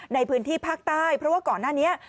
ในพื้นที่ภาคใต้เพราะว่าก่อนหน้านี้